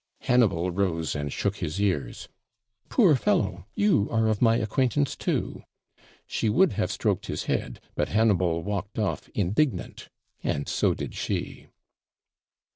Hannibal rose and shook his ears. 'Poor fellow! you are of my acquaintance too.' She would have stroked his head; but Hannibal walked off indignant, and so did she.